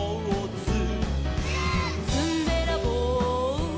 「ずんべらぼう」「」